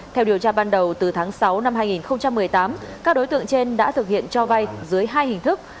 theo điều tra ban đầu từ tháng sáu năm hai nghìn một mươi tám các đối tượng trên đã thực hiện cho vay dưới hai hình thức